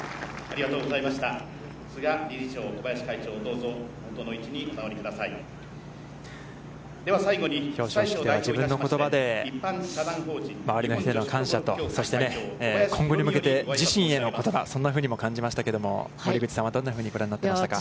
理事長小林会長、表彰式は自分の言葉で、周りの人への感謝と、そして、今後に向けて自身への言葉、そんなふうにも感じましたけども、森口さんはどんなふうにご覧になっていましたか。